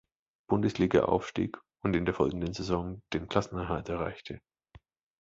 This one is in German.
Bundesliga aufstieg und in der folgenden Saison den Klassenerhalt erreichte.